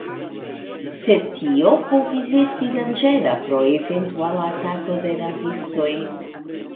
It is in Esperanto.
Sed tio povis esti danĝera pro eventuala atako de rabistoj.